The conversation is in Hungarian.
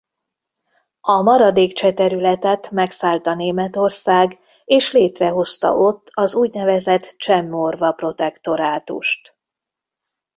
A maradék cseh területet megszállta Németország és létrehozta ott az úgynevezett Cseh–Morva Protektorátust.